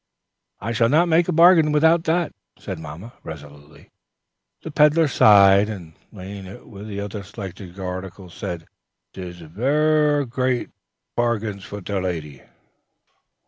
"I shall not make a bargain without that," said mamma, resolutely. The peddler sighed, and laying it with the selected articles said: "Tish ver great pargains for te lady."